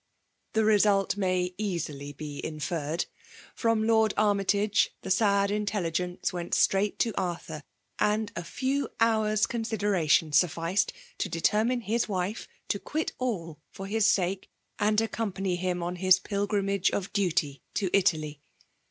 The result may easily be inferred, Brom Lord Armytage the sad intelligence went straight to Arthur ; and a few home' eoast deration sufficed to determine his wife to quit all for his sake, and accompany him on his pilgrimage of duty to Italy.